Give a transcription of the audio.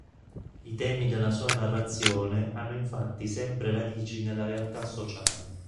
I temi della sua narrazione hanno infatti sempre radici nella realtà sociale.